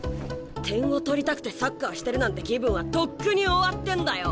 点を取りたくてサッカーしてるなんて気分はとっくに終わってんだよ